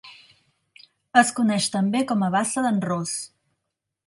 Es coneix també com a Bassa d'en Ros.